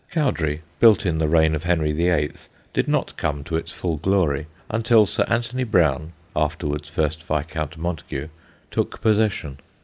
Cowdray, built in the reign of Henry VIII., did not come to its full glory until Sir Anthony Browne, afterwards first Viscount Montagu, took possession.